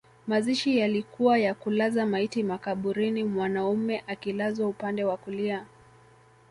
Mazishi yalikuwa ya kulaza maiti makaburini mwanaume akilazwa upande wa kulia